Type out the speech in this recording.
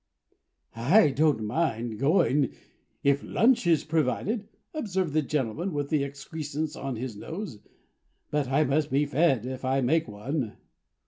"I don't mind going if a lunch is provided," observed the gentleman with the excrescence on his nose. "But I must be fed, if I make one."